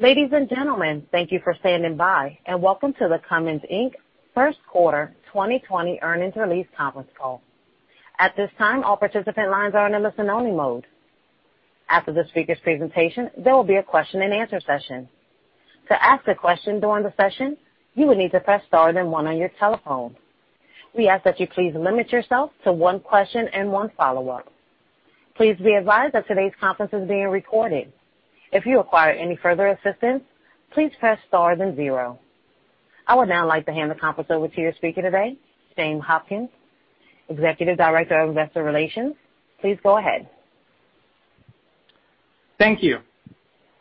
Ladies and gentlemen, thank you for standing by and welcome to the Cummins Inc. first quarter 2020 earnings release conference call. At this time, all participant lines are in a listen-only mode. After the speaker's presentation, there will be a question and answer session. To ask a question during the session, you will need to press star then one on your telephone. We ask that you please limit yourself to one question and one follow-up. Please be advised that today's conference is being recorded. If you require any further assistance, please press star then zero. I would now like to hand the conference over to your speaker today, James Hopkins, Executive Director of Investor Relations. Please go ahead. Thank you.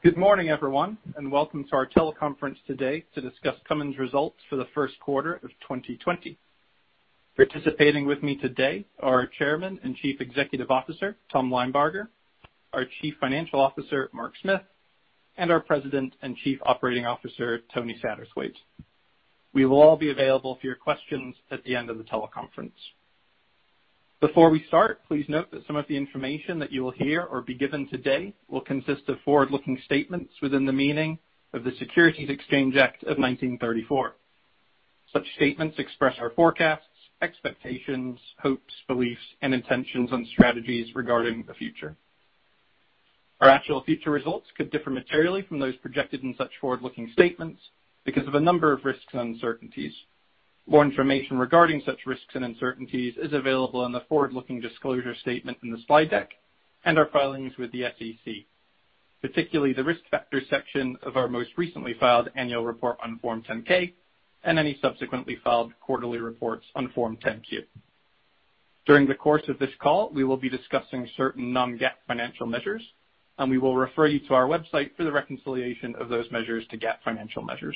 Good morning, everyone, and welcome to our teleconference today to discuss Cummins results for the first quarter of 2020. Participating with me today are our Chairman and Chief Executive Officer, Tom Linebarger, our Chief Financial Officer, Mark Smith, and our President and Chief Operating Officer, Tony Satterthwaite. We will all be available for your questions at the end of the teleconference. Before we start, please note that some of the information that you will hear or be given today will consist of forward-looking statements within the meaning of the Securities Exchange Act of 1934. Such statements express our forecasts, expectations, hopes, beliefs, and intentions on strategies regarding the future. Our actual future results could differ materially from those projected in such forward-looking statements because of a number of risks and uncertainties. More information regarding such risks and uncertainties is available in the forward-looking disclosure statement in the slide deck and our filings with the SEC, particularly the Risk Factors section of our most recently filed annual report on Form 10-K and any subsequently filed quarterly reports on Form 10-Q. During the course of this call, we will be discussing certain non-GAAP financial measures, and we will refer you to our website for the reconciliation of those measures to GAAP financial measures.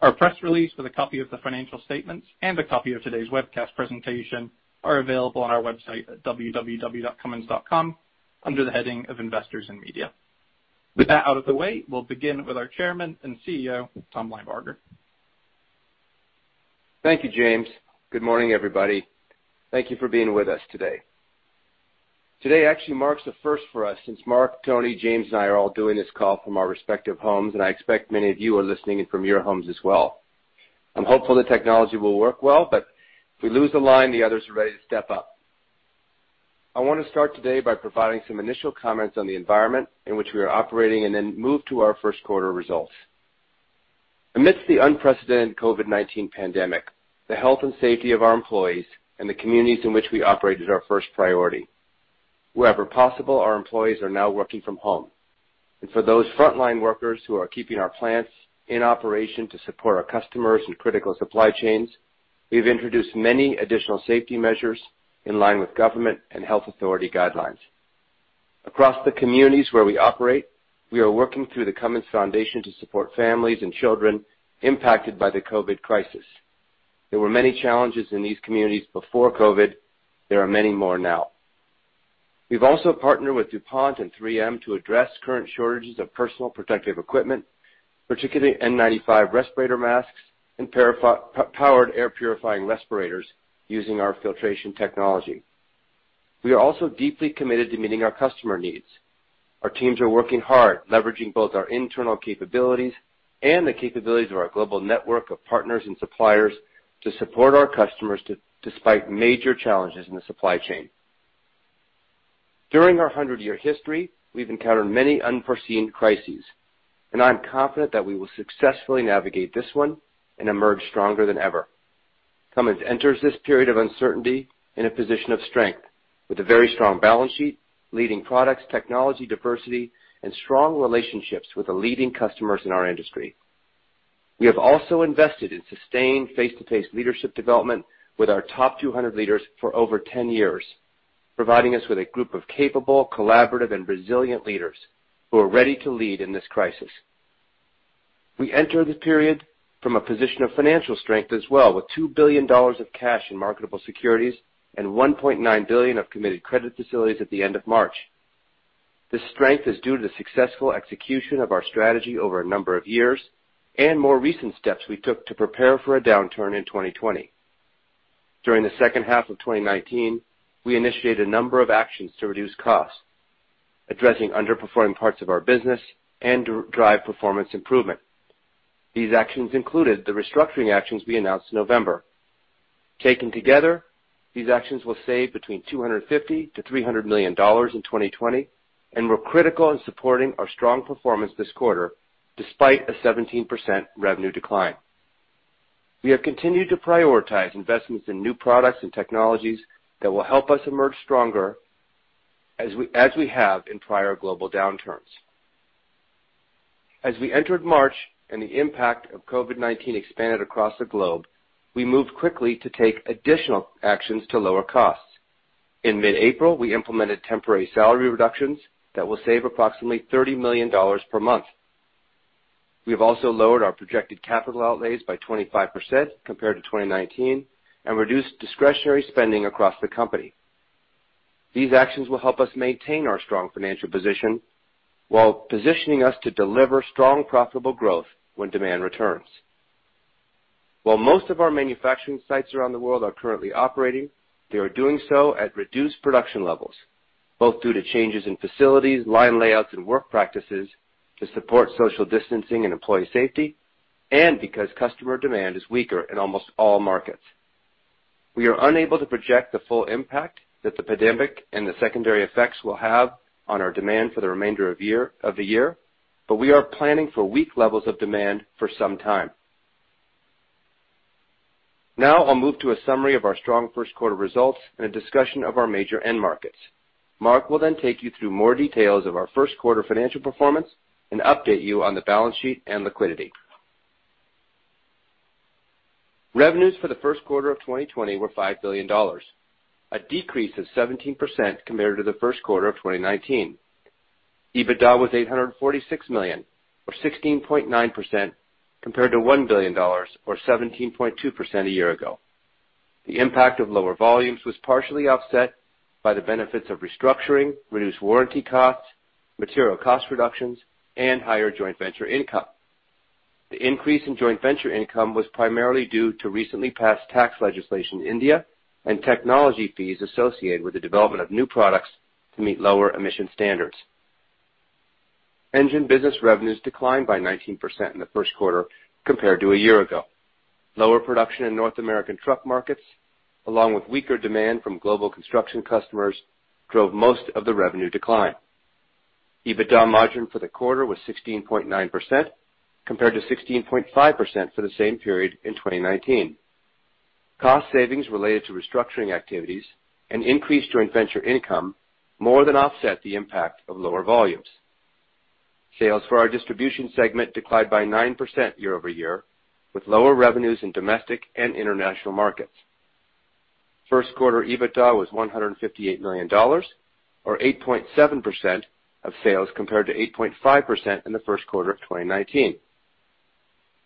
Our press release with a copy of the financial statements and a copy of today's webcast presentation are available on our website at www.cummins.com under the heading of Investors and Media. With that out of the way, we'll begin with our Chairman and CEO, Tom Linebarger. Thank you, James. Good morning, everybody. Thank you for being with us today. Today actually marks a first for us since Mark, Tony, James, and I are all doing this call from our respective homes, and I expect many of you are listening in from your homes as well. I'm hopeful the technology will work well. If we lose a line, the others are ready to step up. I want to start today by providing some initial comments on the environment in which we are operating and then move to our first quarter results. Amidst the unprecedented COVID-19 pandemic, the health and safety of our employees and the communities in which we operate is our first priority. Wherever possible, our employees are now working from home. For those frontline workers who are keeping our plants in operation to support our customers and critical supply chains, we've introduced many additional safety measures in line with government and health authority guidelines. Across the communities where we operate, we are working through the Cummins Foundation to support families and children impacted by the COVID crisis. There were many challenges in these communities before COVID, there are many more now. We've also partnered with DuPont and 3M to address current shortages of personal protective equipment, particularly N95 respirator masks and powered air-purifying respirators using our filtration technology. We are also deeply committed to meeting our customer needs. Our teams are working hard, leveraging both our internal capabilities and the capabilities of our global network of partners and suppliers to support our customers despite major challenges in the supply chain. During our 100-year history, we've encountered many unforeseen crises, and I'm confident that we will successfully navigate this one and emerge stronger than ever. Cummins enters this period of uncertainty in a position of strength with a very strong balance sheet, leading products, technology, diversity, and strong relationships with the leading customers in our industry. We have also invested in sustained face-to-face leadership development with our top 200 leaders for over 10 years, providing us with a group of capable, collaborative, and resilient leaders who are ready to lead in this crisis. We enter this period from a position of financial strength as well, with $2 billion of cash in marketable securities and $1.9 billion of committed credit facilities at the end of March. This strength is due to the successful execution of our strategy over a number of years and more recent steps we took to prepare for a downturn in 2020. During the second half of 2019, we initiated a number of actions to reduce costs, addressing underperforming parts of our business and to drive performance improvement. These actions included the restructuring actions we announced in November. Taken together, these actions will save between $250 million-$300 million in 2020 and were critical in supporting our strong performance this quarter despite a 17% revenue decline. We have continued to prioritize investments in new products and technologies that will help us emerge stronger as we have in prior global downturns. As we entered March and the impact of COVID-19 expanded across the globe, we moved quickly to take additional actions to lower costs. In mid-April, we implemented temporary salary reductions that will save approximately $30 million per month. We have also lowered our projected capital outlays by 25% compared to 2019 and reduced discretionary spending across the company. These actions will help us maintain our strong financial position while positioning us to deliver strong profitable growth when demand returns. While most of our manufacturing sites around the world are currently operating, they are doing so at reduced production levels, both due to changes in facilities, line layouts, and work practices to support social distancing and employee safety, and because customer demand is weaker in almost all markets. We are unable to project the full impact that the pandemic and the secondary effects will have on our demand for the remainder of the year, but we are planning for weak levels of demand for some time. I'll move to a summary of our strong first quarter results and a discussion of our major end markets. Mark will take you through more details of our first quarter financial performance and update you on the balance sheet and liquidity. Revenues for the first quarter of 2020 were $5 billion, a decrease of 17% compared to the first quarter of 2019. EBITDA was $846 million or 16.9% compared to $1 billion or 17.2% a year ago. The impact of lower volumes was partially offset by the benefits of restructuring, reduced warranty costs, material cost reductions, and higher joint venture income. The increase in joint venture income was primarily due to recently passed tax legislation in India and technology fees associated with the development of new products to meet lower emission standards. Engine Business revenues declined by 19% in the first quarter compared to a year ago. Lower production in North American truck markets, along with weaker demand from global construction customers drove most of the revenue decline. EBITDA margin for the quarter was 16.9% compared to 16.5% for the same period in 2019. Cost savings related to restructuring activities and increased joint venture income more than offset the impact of lower volumes. Sales for our Distribution Segment declined by 9% year-over-year, with lower revenues in domestic and international markets. First quarter EBITDA was $158 million or 8.7% of sales compared to 8.5% in the first quarter of 2019.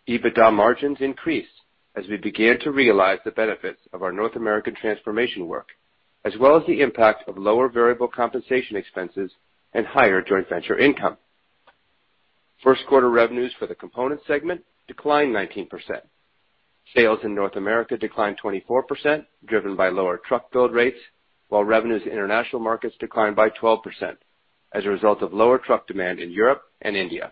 EBITDA margins increased as we began to realize the benefits of our North American transformation work, as well as the impact of lower variable compensation expenses and higher joint venture income. First quarter revenues for the Components Segment declined 19% Sales in North America declined 24%, driven by lower truck build rates, while revenues in international markets declined by 12% as a result of lower truck demand in Europe and India.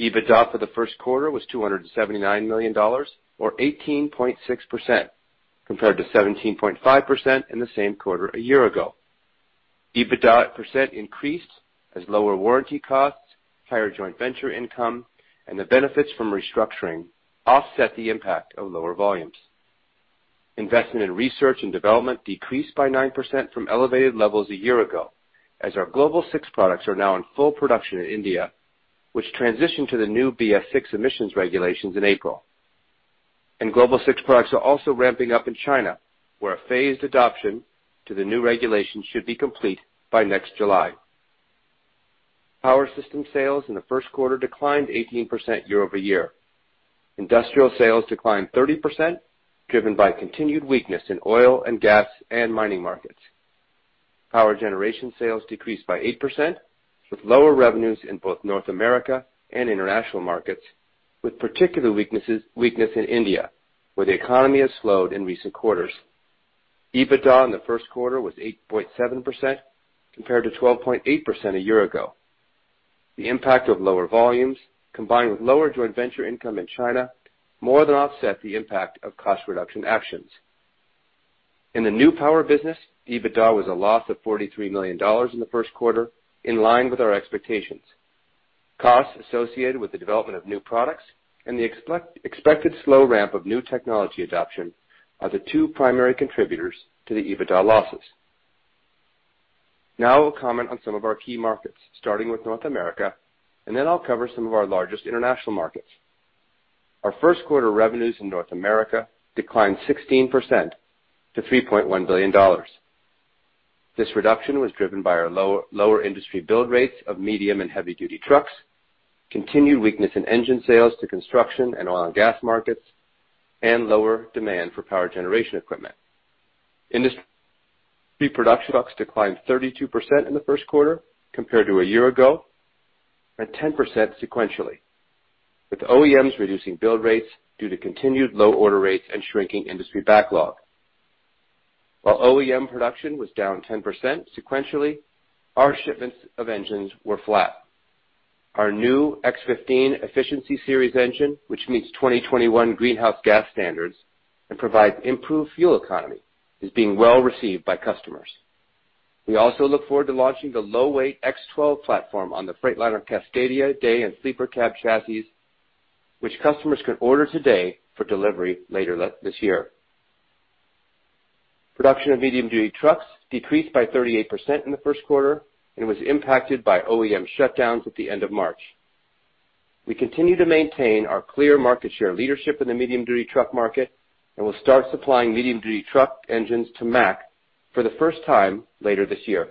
EBITDA for the first quarter was $279 million or 18.6%, compared to 17.5% in the same quarter a year ago. EBITDA per increased as lower warranty costs, higher joint venture income, and the benefits from restructuring offset the impact of lower volumes. Investment in research and development decreased by 9% from elevated levels a year ago, as our Global 6 products are now in full production in India, which transitioned to the new BS VI emissions regulations in April. Global 6 products are also ramping up in China, where a phased adoption to the new regulations should be complete by next July. Power Systems sales in the first quarter declined 18% year-over-year. Industrial sales declined 30%, driven by continued weakness in oil and gas and mining markets. Power generation sales decreased by 8%, with lower revenues in both North America and international markets, with particular weakness in India, where the economy has slowed in recent quarters. EBITDA in the first quarter was 8.7% compared to 12.8% a year ago. The impact of lower volumes, combined with lower joint venture income in China, more than offset the impact of cost reduction actions. In the new power business, EBITDA was a loss of $43 million in the first quarter, in line with our expectations. Costs associated with the development of new products and the expected slow ramp of new technology adoption are the two primary contributors to the EBITDA losses. I will comment on some of our key markets, starting with North America, and then I'll cover some of our largest international markets. Our first quarter revenues in North America declined 16% to $3.1 billion. This reduction was driven by our lower industry build rates of medium and heavy duty trucks, continued weakness in engine sales to construction and oil and gas markets, and lower demand for power generation equipment. Industry production trucks declined 32% in the first quarter compared to a year ago and 10% sequentially, with OEMs reducing build rates due to continued low order rates and shrinking industry backlog. While OEM production was down 10% sequentially, our shipments of engines were flat. Our new X15 Efficiency Series engine, which meets 2021 greenhouse gas standards and provides improved fuel economy, is being well received by customers. We also look forward to launching the low-weight X12 platform on the Freightliner Cascadia Day and Sleeper cab chassis, which customers can order today for delivery later this year. Production of medium-duty trucks decreased by 38% in the first quarter and was impacted by OEM shutdowns at the end of March. We continue to maintain our clear market share leadership in the medium-duty truck market and will start supplying medium-duty truck engines to Mack for the first time later this year.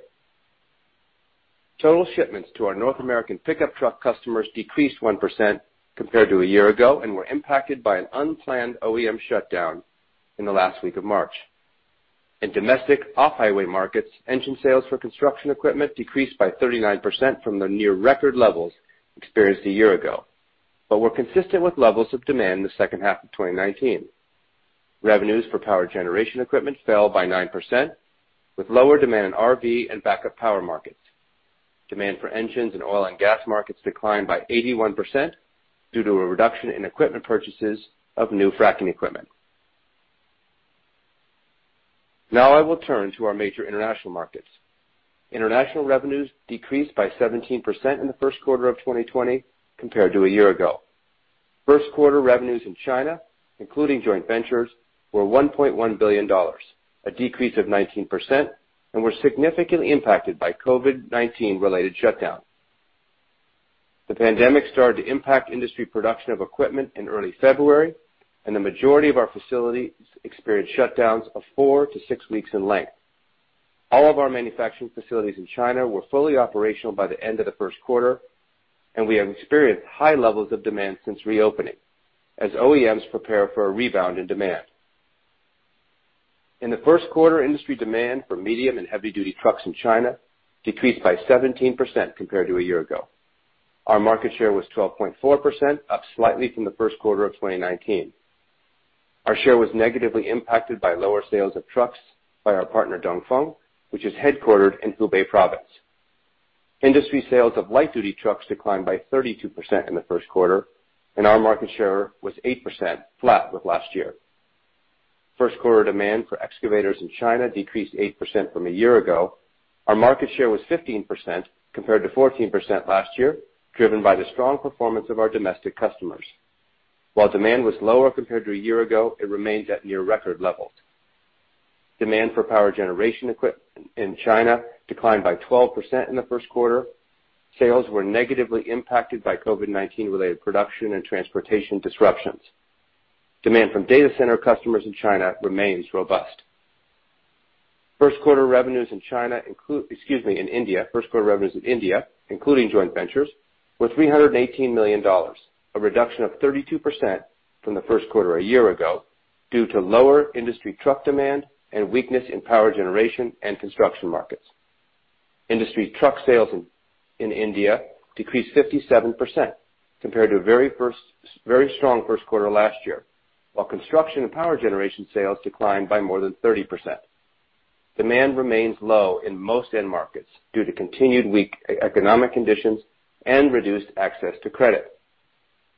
Total shipments to our North American pickup truck customers decreased 1% compared to a year ago and were impacted by an unplanned OEM shutdown in the last week of March. In domestic off-highway markets, engine sales for construction equipment decreased by 39% from the near record levels experienced a year ago, but were consistent with levels of demand in the second half of 2019. Revenues for power generation equipment fell by 9%, with lower demand in RV and backup power markets. Demand for engines in oil and gas markets declined by 81% due to a reduction in equipment purchases of new fracking equipment. Now I will turn to our major international markets. International revenues decreased by 17% in the first quarter of 2020 compared to a year ago. First quarter revenues in China, including joint ventures, were $1.1 billion, a decrease of 19%, and were significantly impacted by COVID-19 related shutdowns. The pandemic started to impact industry production of equipment in early February, and the majority of our facilities experienced shutdowns of four to six weeks in length. All of our manufacturing facilities in China were fully operational by the end of the first quarter, and we have experienced high levels of demand since reopening as OEMs prepare for a rebound in demand. In the first quarter, industry demand for medium and heavy duty trucks in China decreased by 17% compared to a year ago. Our market share was 12.4%, up slightly from the first quarter of 2019. Our share was negatively impacted by lower sales of trucks by our partner Dongfeng, which is headquartered in Hubei province. Industry sales of light duty trucks declined by 32% in the first quarter, and our market share was 8%, flat with last year. First quarter demand for excavators in China decreased 8% from a year ago. Our market share was 15% compared to 14% last year, driven by the strong performance of our domestic customers. While demand was lower compared to a year ago, it remains at near record levels. Demand for power generation equipment in China declined by 12% in the first quarter. Sales were negatively impacted by COVID-19 related production and transportation disruptions. Demand from data center customers in China remains robust. First quarter revenues in India, including joint ventures, were $318 million, a reduction of 32% from the first quarter a year ago due to lower industry truck demand and weakness in power generation and construction markets. Industry truck sales in India decreased 57% compared to a very strong first quarter last year, while construction and power generation sales declined by more than 30%. Demand remains low in most end markets due to continued weak economic conditions and reduced access to credit.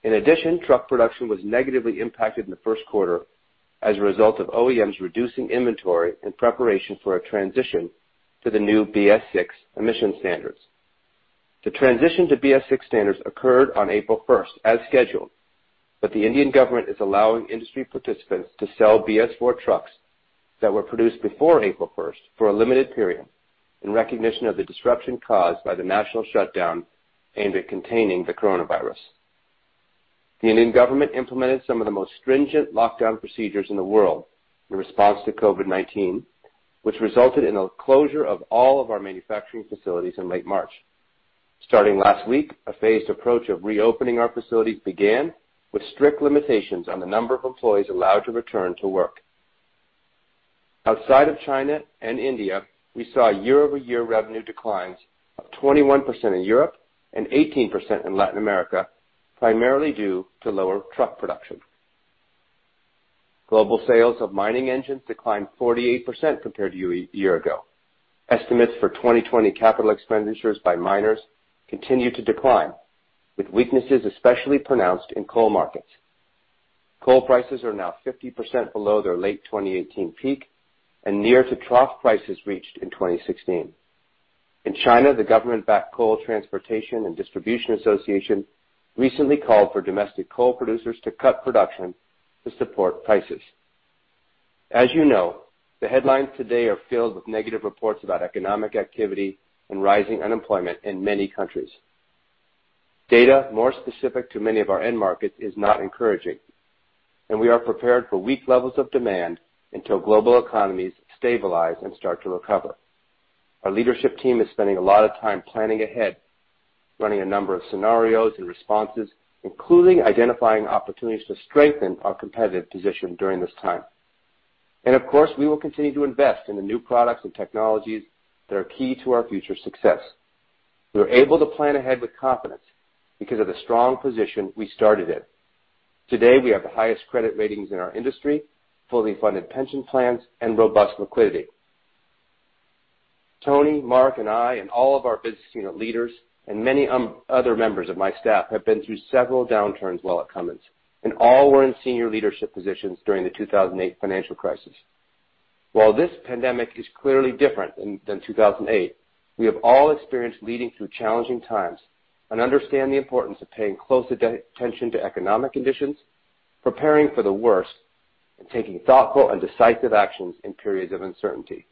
In addition, truck production was negatively impacted in the first quarter as a result of OEMs reducing inventory in preparation for a transition to the new BS VI emission standards. The transition to BS VI standards occurred on April 1st as scheduled, but the Indian government is allowing industry participants to sell BS IV trucks that were produced before April 1st for a limited period in recognition of the disruption caused by the national shutdown aimed at containing the coronavirus. The Indian government implemented some of the most stringent lockdown procedures in the world in response to COVID-19, which resulted in a closure of all of our manufacturing facilities in late March. Starting last week, a phased approach of reopening our facilities began with strict limitations on the number of employees allowed to return to work. Outside of China and India, we saw year-over-year revenue declines of 21% in Europe and 18% in Latin America, primarily due to lower truck production. Global sales of mining engines declined 48% compared to a year ago. Estimates for 2020 capital expenditures by miners continue to decline, with weaknesses especially pronounced in coal markets. Coal prices are now 50% below their late 2018 peak and near to trough prices reached in 2016. In China, the government-backed Coal Transportation and Distribution Association recently called for domestic coal producers to cut production to support prices. As you know, the headlines today are filled with negative reports about economic activity and rising unemployment in many countries. Data more specific to many of our end markets is not encouraging, and we are prepared for weak levels of demand until global economies stabilize and start to recover. Our leadership team is spending a lot of time planning ahead, running a number of scenarios and responses, including identifying opportunities to strengthen our competitive position during this time. Of course, we will continue to invest in the new products and technologies that are key to our future success. We are able to plan ahead with confidence because of the strong position we started in. Today, we have the highest credit ratings in our industry, fully funded pension plans, and robust liquidity. Tony, Mark and I, and all of our business unit leaders and many other members of my staff have been through several downturns while at Cummins, and all were in senior leadership positions during the 2008 financial crisis. While this pandemic is clearly different than 2008, we have all experienced leading through challenging times and understand the importance of paying close attention to economic conditions, preparing for the worst, and taking thoughtful and decisive actions in periods of uncertainty.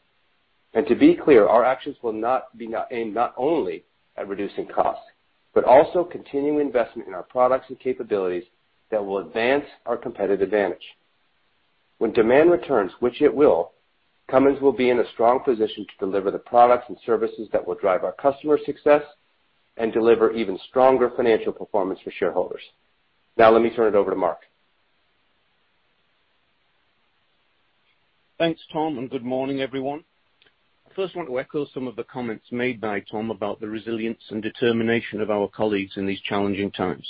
To be clear, our actions will not be aimed only at reducing costs, but also continuing investment in our products and capabilities that will advance our competitive advantage. When demand returns, which it will, Cummins will be in a strong position to deliver the products and services that will drive our customers' success and deliver even stronger financial performance for shareholders. Let me turn it over to Mark. Thanks, Tom, and good morning, everyone. I first want to echo some of the comments made by Tom about the resilience and determination of our colleagues in these challenging times.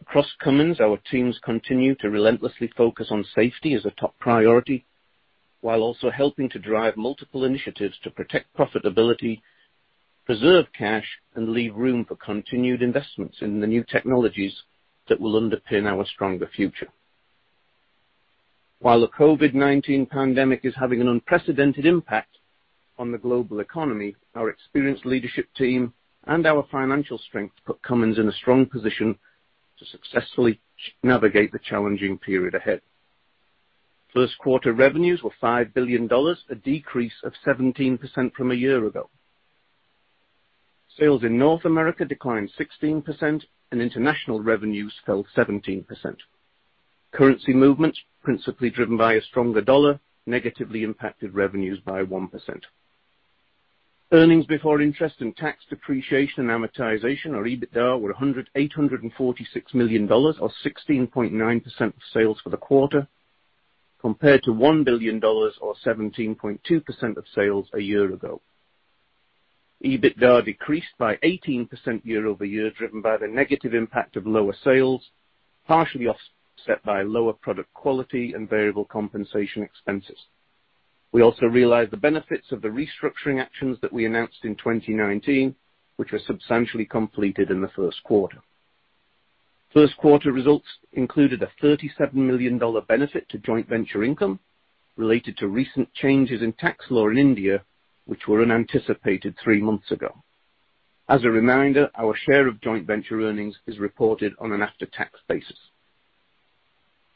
Across Cummins, our teams continue to relentlessly focus on safety as a top priority, while also helping to drive multiple initiatives to protect profitability, preserve cash, and leave room for continued investments in the new technologies that will underpin our stronger future. While the COVID-19 pandemic is having an unprecedented impact on the global economy, our experienced leadership team and our financial strength put Cummins in a strong position to successfully navigate the challenging period ahead. First quarter revenues were $5 billion, a decrease of 17% from a year ago. Sales in North America declined 16%, and international revenues fell 17%. Currency movements, principally driven by a stronger dollar, negatively impacted revenues by 1%. Earnings before interest and tax depreciation and amortization, or EBITDA, were $846 million, or 16.9% of sales for the quarter, compared to $1 billion or 17.2% of sales a year ago. EBITDA decreased by 18% year-over-year, driven by the negative impact of lower sales, partially offset by lower product quality and variable compensation expenses. We also realized the benefits of the restructuring actions that we announced in 2019, which were substantially completed in the first quarter. First quarter results included a $37 million benefit to joint venture income related to recent changes in tax law in India, which were unanticipated three months ago. As a reminder, our share of joint venture earnings is reported on an after-tax basis.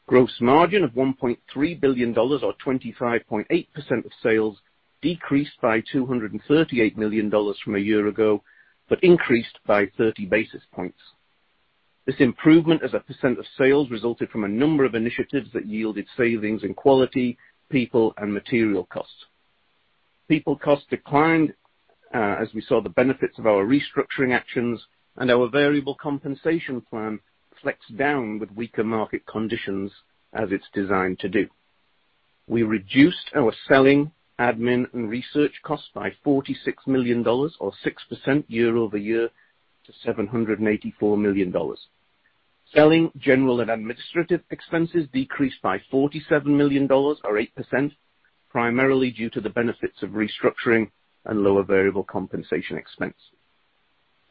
Gross margin of $1.3 billion, or 25.8% of sales, decreased by $238 million from a year ago, but increased by 30 basis points. This improvement as a percent of sales resulted from a number of initiatives that yielded savings in quality, people, and material costs. People costs declined, as we saw the benefits of our restructuring actions and our variable compensation plan flex down with weaker market conditions as it's designed to do. We reduced our selling, admin, and research costs by $46 million or 6% year-over-year to $784 million. Selling, general and administrative expenses decreased by $47 million or 8%, primarily due to the benefits of restructuring and lower variable compensation expense.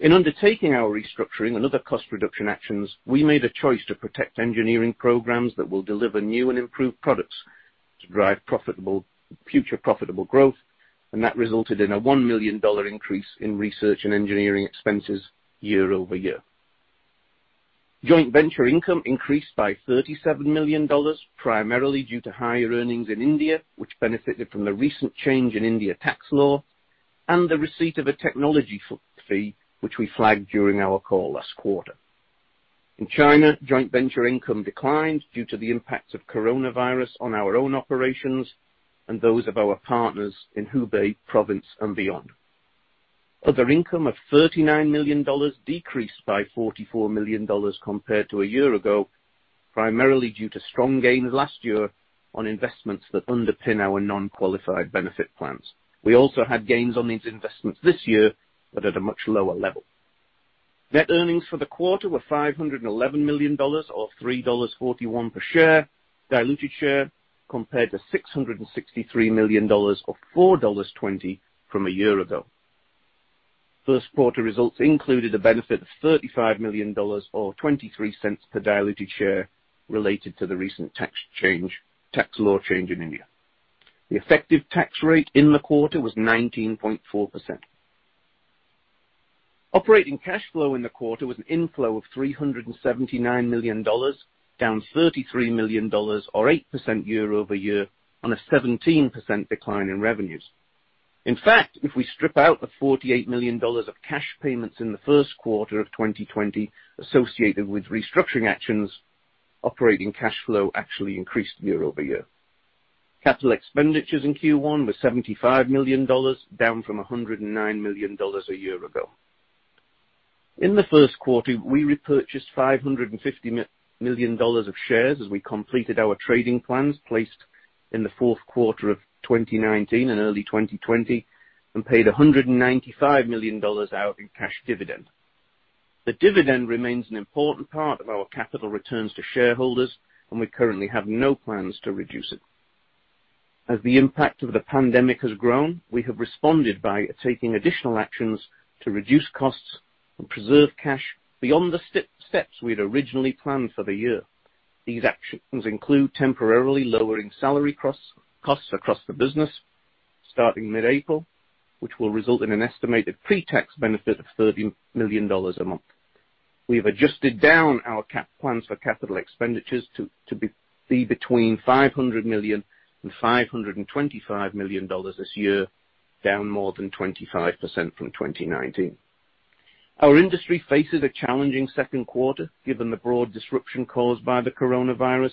In undertaking our restructuring and other cost reduction actions, we made a choice to protect engineering programs that will deliver new and improved products to drive future profitable growth, that resulted in a $1 million increase in research and engineering expenses year-over-year. Joint venture income increased by $37 million, primarily due to higher earnings in India, which benefited from the recent change in India tax law and the receipt of a technology fee, which we flagged during our call last quarter. In China, joint venture income declined due to the impact of coronavirus on our own operations and those of our partners in Hubei province and beyond. Other income of $39 million decreased by $44 million compared to a year ago, primarily due to strong gains last year on investments that underpin our non-qualified benefit plans. We also had gains on these investments this year, but at a much lower level. Net earnings for the quarter were $511 million, or $3.41 per share, diluted share, compared to $663 million or $4.20 from a year ago. First quarter results included a benefit of $35 million or $0.23 per diluted share related to the recent tax law change in India. The effective tax rate in the quarter was 19.4%. Operating cash flow in the quarter was an inflow of $379 million, down $33 million or 8% year-over-year on a 17% decline in revenues. In fact, if we strip out the $48 million of cash payments in the first quarter of 2020 associated with restructuring actions, operating cash flow actually increased year-over-year. Capital expenditures in Q1 were $75 million, down from $109 million a year ago. In the first quarter, we repurchased $550 million of shares as we completed our trading plans placed in the fourth quarter of 2019 and early 2020, and paid $195 million out in cash dividend. The dividend remains an important part of our capital returns to shareholders, and we currently have no plans to reduce it. As the impact of the pandemic has grown, we have responded by taking additional actions to reduce costs and preserve cash beyond the steps we had originally planned for the year. These actions include temporarily lowering salary costs across the business starting mid-April, which will result in an estimated pre-tax benefit of $30 million a month. We have adjusted down our cap plans for capital expenditures to be between $500 million and $525 million this year, down more than 25% from 2019. Our industry faces a challenging second quarter given the broad disruption caused by the coronavirus.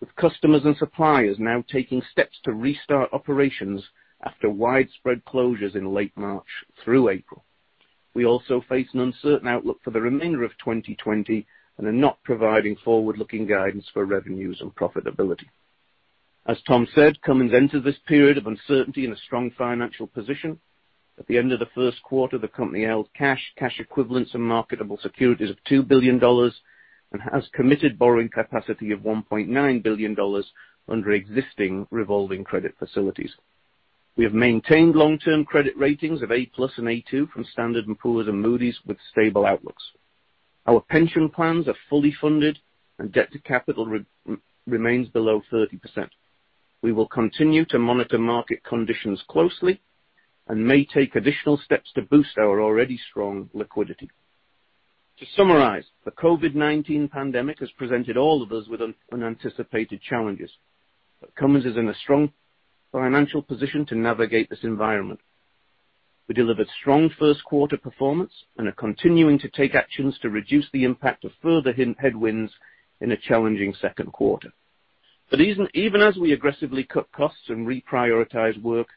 With customers and suppliers now taking steps to restart operations after widespread closures in late March through April. We also face an uncertain outlook for the remainder of 2020 and are not providing forward-looking guidance for revenues and profitability. As Tom said, Cummins entered this period of uncertainty in a strong financial position. At the end of the first quarter, the company held cash equivalents, and marketable securities of $2 billion and has committed borrowing capacity of $1.9 billion under existing revolving credit facilities. We have maintained long-term credit ratings of A+ and A2 from Standard & Poor's and Moody's, with stable outlooks. Our pension plans are fully funded, and debt to capital remains below 30%. We will continue to monitor market conditions closely and may take additional steps to boost our already strong liquidity. To summarize, the COVID-19 pandemic has presented all of us with unanticipated challenges, but Cummins is in a strong financial position to navigate this environment. We delivered strong first quarter performance and are continuing to take actions to reduce the impact of further headwinds in a challenging second quarter. Even as we aggressively cut costs and reprioritize work,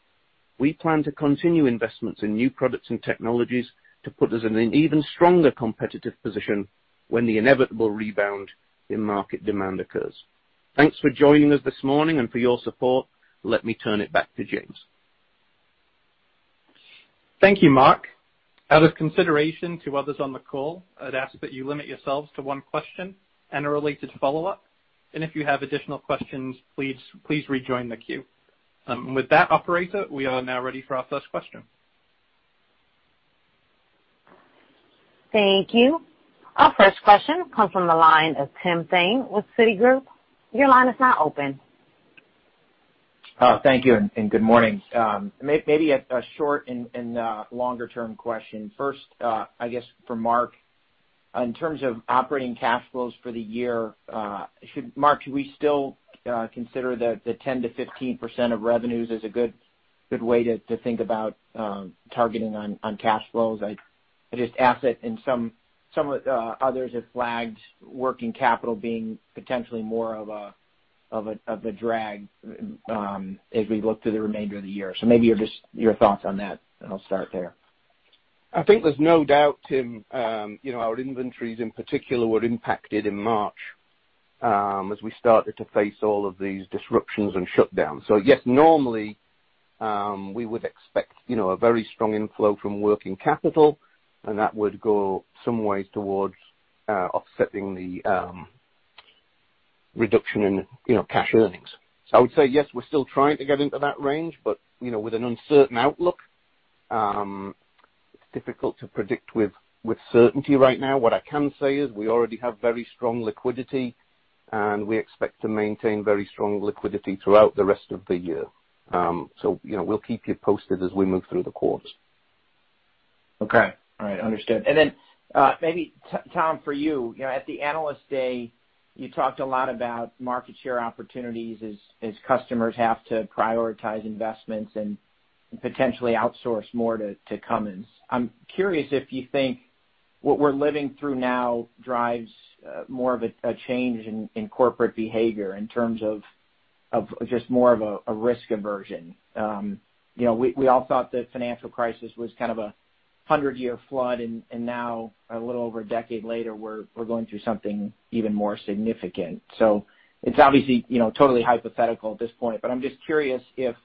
we plan to continue investments in new products and technologies to put us in an even stronger competitive position when the inevitable rebound in market demand occurs. Thanks for joining us this morning and for your support. Let me turn it back to James. Thank you, Mark. Out of consideration to others on the call, I'd ask that you limit yourselves to one question and a related follow-up. If you have additional questions, please rejoin the queue. With that, operator, we are now ready for our first question. Thank you. Our first question comes from the line of Tim Thein with Citigroup. Your line is now open. Thank you. Good morning. Maybe a short and longer-term question. First, I guess for Mark, in terms of operating cash flows for the year, Mark, should we still consider the 10%-15% of revenues as a good way to think about targeting on cash flows? I just ask that some others have flagged working capital being potentially more of a drag as we look through the remainder of the year. Maybe your thoughts on that, and I'll start there. I think there's no doubt, Tim, our inventories in particular were impacted in March as we started to face all of these disruptions and shutdowns. Yes, normally, we would expect a very strong inflow from working capital and that would go some ways towards offsetting the reduction in cash earnings. I would say yes, we're still trying to get into that range, but with an uncertain outlook, it's difficult to predict with certainty right now. What I can say is we already have very strong liquidity and we expect to maintain very strong liquidity throughout the rest of the year. We'll keep you posted as we move through the quarters. Okay. All right. Understood. Then, maybe Tom, for you, at the Analyst Day, you talked a lot about market share opportunities as customers have to prioritize investments and potentially outsource more to Cummins. I'm curious if you think what we're living through now drives more of a change in corporate behavior in terms of just more of a risk aversion. We all thought the financial crisis was kind of a 100-year flood and now, a little over a decade later, we're going through something even more significant. It's obviously totally hypothetical at this point, but I'm just curious if,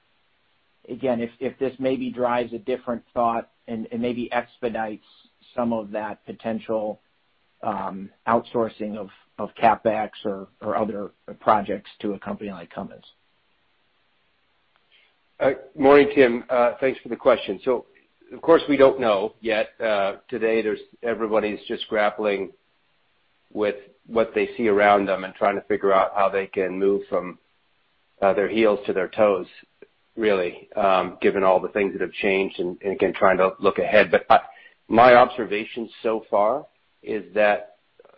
again, if this maybe drives a different thought and maybe expedites some of that potential outsourcing of CapEx or other projects to a company like Cummins. Morning, Tim. Thanks for the question. Of course, we don't know yet. Today, everybody's just grappling with what they see around them and trying to figure out how they can move from their heels to their toes, really, given all the things that have changed and, again, trying to look ahead. My observation so far is that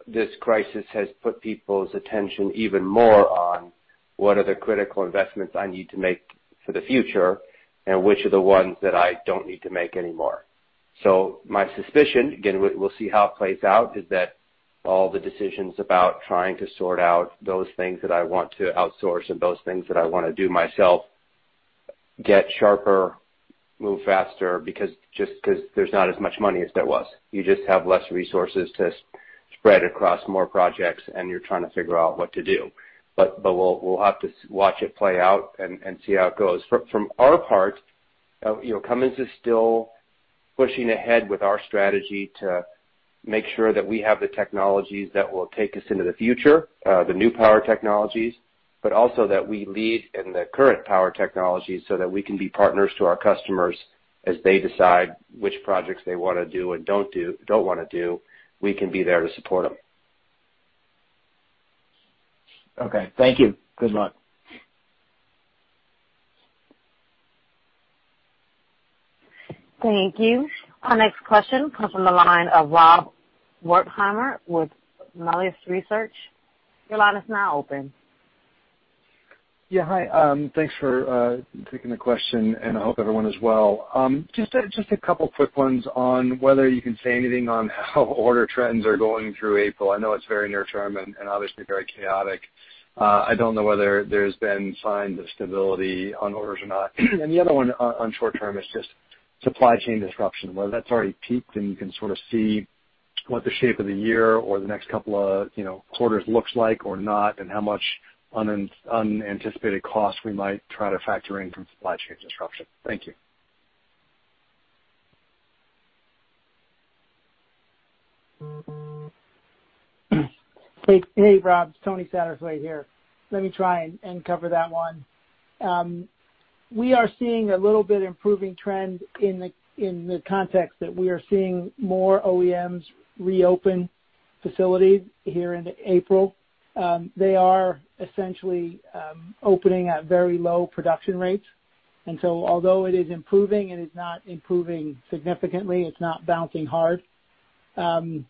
this crisis has put people's attention even more on what are the critical investments I need to make for the future and which are the ones that I don't need to make anymore. My suspicion, again, we'll see how it plays out, is that all the decisions about trying to sort out those things that I want to outsource and those things that I want to do myself get sharper, move faster, just because there's not as much money as there was. You just have less resources to spread across more projects and you're trying to figure out what to do. We'll have to watch it play out and see how it goes. From our part, Cummins is still pushing ahead with our strategy to make sure that we have the technologies that will take us into the future, the new power technologies, but also that we lead in the current power technologies so that we can be partners to our customers as they decide which projects they want to do and don't want to do, we can be there to support them. Okay. Thank you. Good luck. Thank you. Our next question comes from the line of Rob Wertheimer with Melius Research. Your line is now open. Yeah. Hi. Thanks for taking the question. I hope everyone is well. Just a couple of quick ones on whether you can say anything on how order trends are going through April. I know it's very near term and obviously very chaotic. I don't know whether there's been signs of stability on orders or not. The other one on short term is just supply chain disruption, whether that's already peaked and you can sort of see what the shape of the year or the next couple of quarters looks like or not, and how much unanticipated costs we might try to factor in from supply chain disruption. Thank you. Hey, Rob. It's Tony Satterthwaite here. Let me try and cover that one. We are seeing a little bit improving trend in the context that we are seeing more OEMs reopen facilities here into April. They are essentially opening at very low production rates. Although it is improving, it is not improving significantly. It's not bouncing hard. The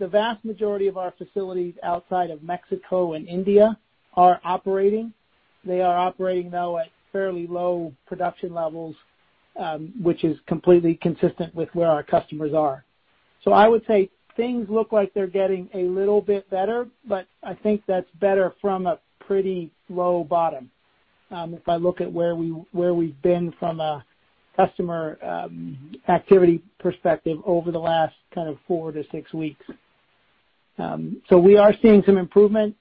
vast majority of our facilities outside of Mexico and India are operating. They are operating now at fairly low production levels, which is completely consistent with where our customers are. I would say things look like they're getting a little bit better, but I think that's better from a pretty low bottom. If I look at where we've been from a customer activity perspective over the last four to six weeks. We are seeing some improvement.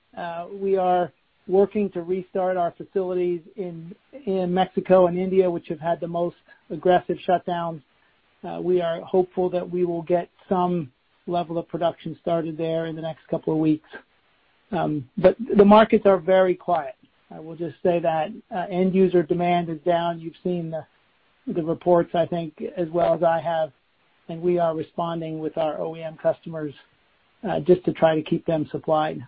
We are working to restart our facilities in Mexico and India, which have had the most aggressive shutdowns. We are hopeful that we will get some level of production started there in the next couple of weeks. The markets are very quiet. I will just say that end user demand is down. You've seen the reports, I think, as well as I have, and we are responding with our OEM customers, just to try to keep them supplied.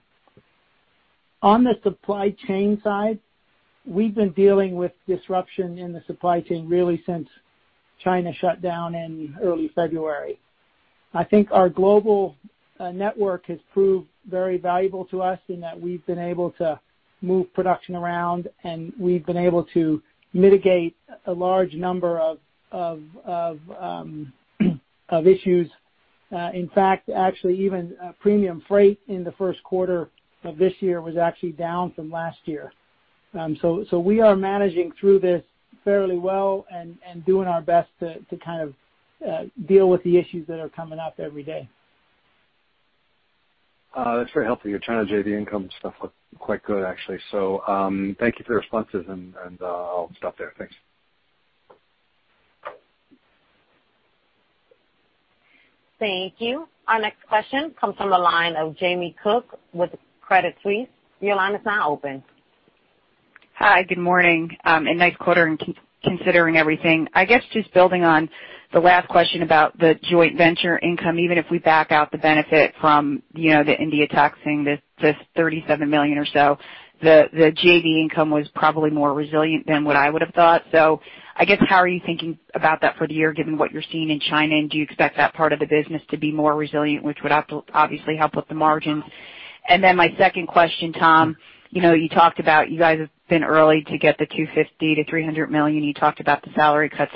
On the supply chain side, we've been dealing with disruption in the supply chain really since China shut down in early February. I think our global network has proved very valuable to us in that we've been able to move production around and we've been able to mitigate a large number of issues. In fact, actually, even premium freight in the first quarter of this year was actually down from last year. We are managing through this fairly well and doing our best to kind of deal with the issues that are coming up every day. That's very helpful. Your China JV income stuff looked quite good, actually. Thank you for the responses and I'll stop there. Thanks. Thank you. Our next question comes from the line of Jamie Cook with Credit Suisse. Your line is now open. Hi, good morning. A nice quarter considering everything. I guess, just building on the last question about the joint venture income, even if we back out the benefit from the India tax thing $37 million or so, the JV income was probably more resilient than what I would have thought. I guess, how are you thinking about that for the year, given what you're seeing in China? Do you expect that part of the business to be more resilient, which would obviously help with the margins? My second question, Tom, you talked about you guys have been early to get the $250 million-$300 million. You talked about the salary cuts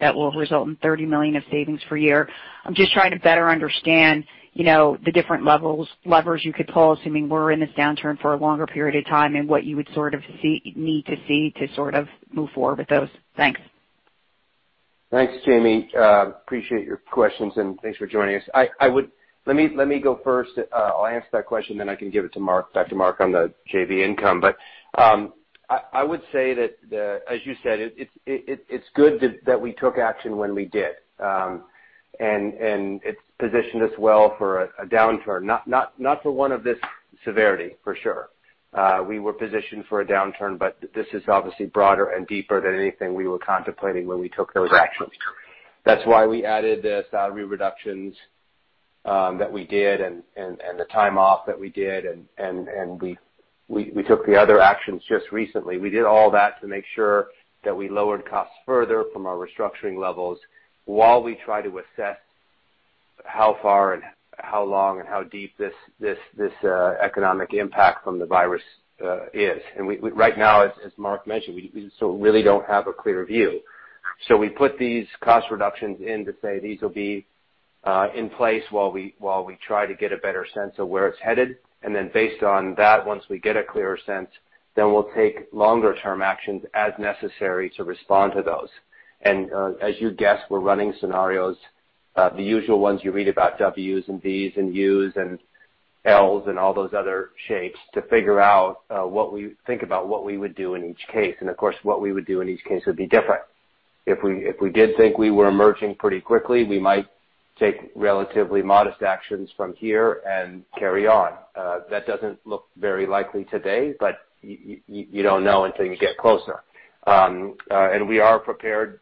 that will result in $30 million of savings per year. I'm just trying to better understand the different levers you could pull, assuming we're in this downturn for a longer period of time, and what you would sort of need to see to sort of move forward with those. Thanks. Thanks, Jamie. Appreciate your questions and thanks for joining us. Let me go first. I'll answer that question, then I can give it back to Mark on the JV income. I would say that, as you said, it's good that we took action when we did. It's positioned us well for a downturn. Not for one of this severity, for sure. We were positioned for a downturn, but this is obviously broader and deeper than anything we were contemplating when we took those actions. That's why we added the salary reductions that we did and the time off that we did and we took the other actions just recently. We did all that to make sure that we lowered costs further from our restructuring levels while we try to assess how far and how long and how deep this economic impact from the virus is. Right now, as Mark mentioned, we still really don't have a clear view. We put these cost reductions in to say these will be in place while we try to get a better sense of where it's headed. Based on that, once we get a clearer sense, then we'll take longer term actions as necessary to respond to those. As you guessed, we're running scenarios. The usual ones you read about, Ws and Ds and Us and Ls and all those other shapes to figure out what we think about what we would do in each case. Of course, what we would do in each case would be different. If we did think we were emerging pretty quickly, we might take relatively modest actions from here and carry on. That doesn't look very likely today, but you don't know until you get closer. We are prepared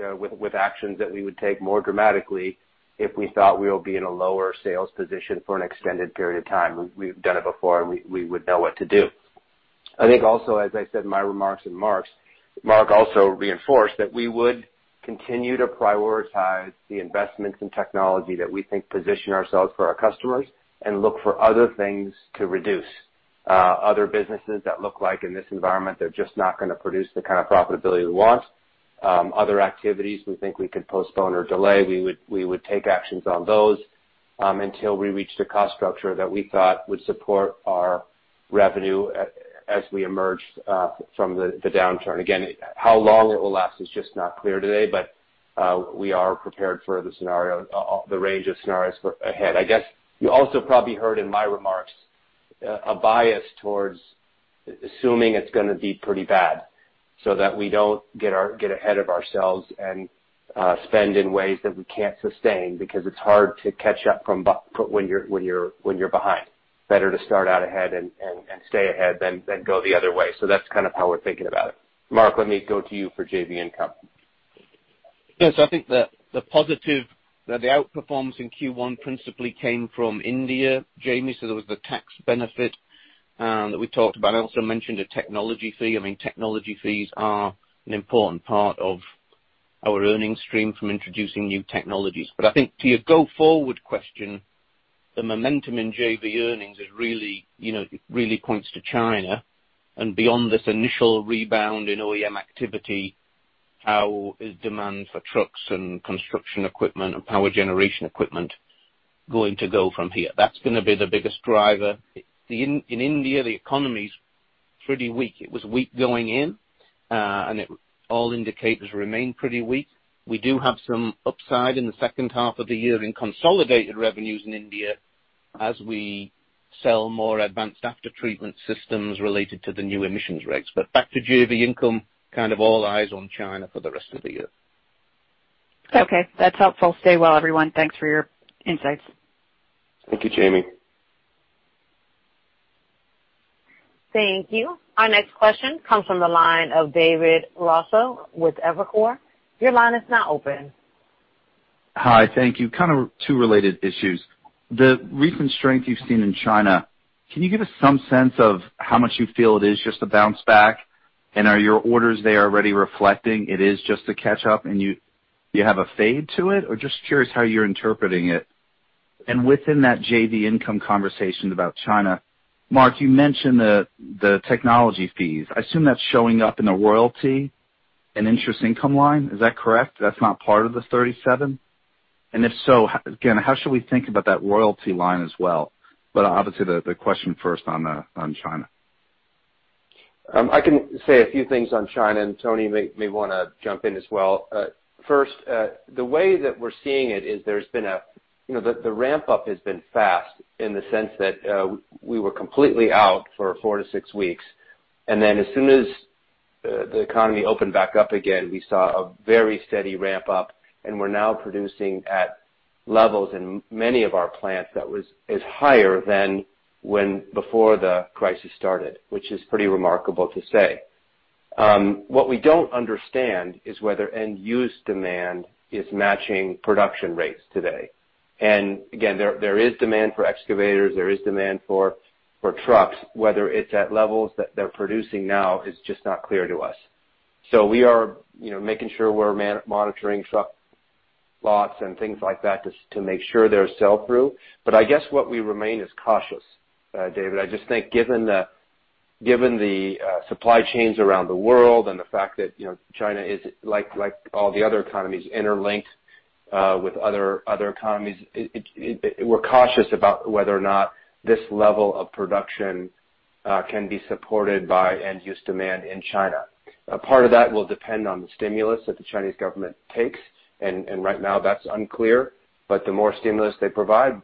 with actions that we would take more dramatically if we thought we'll be in a lower sales position for an extended period of time. We've done it before, and we would know what to do. I think also, as I said in my remarks, and Mark also reinforced that we would continue to prioritize the investments in technology that we think position ourselves for our customers and look for other things to reduce. Other businesses that look like in this environment, they're just not going to produce the kind of profitability we want. Other activities we think we could postpone or delay, we would take actions on those, until we reach the cost structure that we thought would support our revenue as we emerge from the downturn. How long it will last is just not clear today, but we are prepared for the range of scenarios ahead. I guess you also probably heard in my remarks a bias towards assuming it's going to be pretty bad so that we don't get ahead of ourselves and spend in ways that we can't sustain because it's hard to catch up from when you're behind. Better to start out ahead and stay ahead than go the other way. That's kind of how we're thinking about it. Mark, let me go to you for JV income. Yes. I think the positive, the outperformance in Q1 principally came from India, Jamie. There was the tax benefit that we talked about. I also mentioned a technology fee. I mean, technology fees are an important part of our earnings stream from introducing new technologies. I think to your go forward question, the momentum in JV earnings really points to China and beyond this initial rebound in OEM activity, how is demand for trucks and construction equipment and power generation equipment going to go from here? That's going to be the biggest driver. In India, the economy's pretty weak. It was weak going in, and all indicators remain pretty weak. We do have some upside in the second half of the year in consolidated revenues in India as we sell more advanced after-treatment systems related to the new emissions regs. Back to JV income, kind of all eyes on China for the rest of the year. Okay. That's helpful. Stay well, everyone. Thanks for your insights. Thank you, Jamie. Thank you. Our next question comes from the line of David Raso with Evercore. Your line is now open. Hi, thank you. Kind of two related issues. The recent strength you've seen in China, can you give us some sense of how much you feel it is just a bounce back, and are your orders there already reflecting it is just a catch-up and you have a fade to it? Just curious how you're interpreting it. Within that JV income conversation about China, Mark, you mentioned the technology fees. I assume that's showing up in the royalty and interest income line. Is that correct? That's not part of the 37? If so, again, how should we think about that royalty line as well? Obviously the question first on China. I can say a few things on China, Tony may want to jump in as well. The way that we're seeing it is the ramp-up has been fast in the sense that we were completely out for four to six weeks, and then as soon as the economy opened back up again, we saw a very steady ramp-up, and we're now producing at levels in many of our plants that is higher than before the crisis started, which is pretty remarkable to say. What we don't understand is whether end-use demand is matching production rates today. Again, there is demand for excavators, there is demand for trucks. Whether it's at levels that they're producing now is just not clear to us. We are making sure we're monitoring truck lots and things like that to make sure there's sell-through. I guess what we remain is cautious, David Raso. I just think given the supply chains around the world and the fact that China is, like all the other economies, interlinked with other economies, we're cautious about whether or not this level of production can be supported by end-use demand in China. A part of that will depend on the stimulus that the Chinese government takes, and right now that's unclear. The more stimulus they provide,